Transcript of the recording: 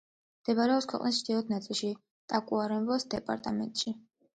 მდებარეობს ქვეყნის ჩრდილოეთ ნაწილში, ტაკუარემბოს დეპარტამენტში.